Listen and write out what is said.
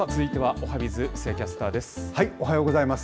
おはようございます。